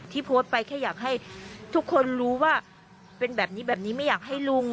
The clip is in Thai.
โพสต์ไปแค่อยากให้ทุกคนรู้ว่าเป็นแบบนี้แบบนี้ไม่อยากให้ลุง